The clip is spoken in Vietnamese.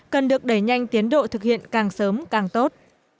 cần được đẩy nhanh tiến độ thực hiện càng sớm càng tốt